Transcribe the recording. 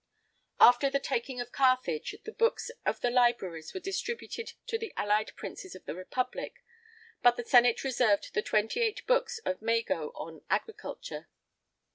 After the taking of Carthage, the books of the libraries were distributed to the allied princes of the republic, but the senate reserved the twenty eight books of Mago on agriculture.